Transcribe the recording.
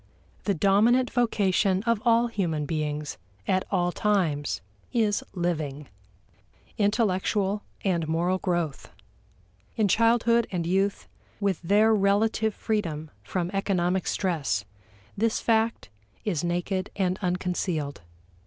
The dominant vocation of all human beings at all times is living intellectual and moral growth. In childhood and youth, with their relative freedom from economic stress, this fact is naked and unconcealed.